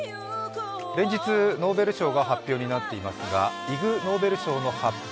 連日、ノーベル賞が発表になっていますがイグ・ノーベル賞の発表